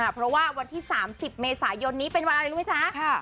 เพราะว่าวันที่๓๐เมษายนนี้เป็นวันอะไรรู้ไหมจ๊ะ